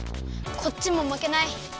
こっちもまけない！